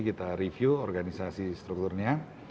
kita review organisasi strukturnya